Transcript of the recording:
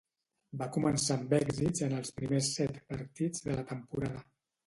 Va començar amb èxits en els primers set partits de la temporada.